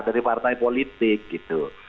dari partai politik gitu